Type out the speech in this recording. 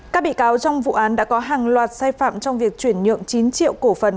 các bị cáo trong vụ án đã có hàng loạt sai phạm trong việc chuyển nhượng chín triệu cổ phần